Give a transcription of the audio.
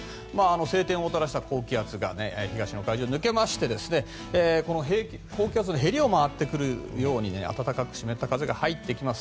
晴天をもたらした高気圧が東の海上に抜けまして高気圧のへりを回ってくるように暖かく湿った風が入ってきます。